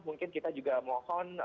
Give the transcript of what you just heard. mungkin kita juga mohon